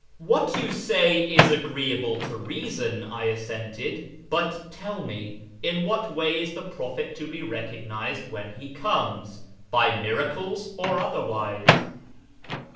" What you say is agreeable to reason," I assented ;" but tell me, in what way is the prophet to be recognised when he 3omes ? By miracles, or otherwise